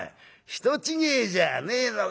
人違えじゃねえのかい？』